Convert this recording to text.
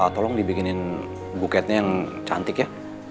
tolong dibikinin buketnya yang cantik ya